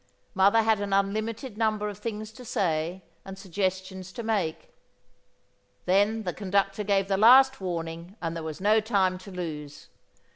Mother had an unlimited number of things to say and suggestions to make. Then the conductor gave the last warning and there was no time to lose.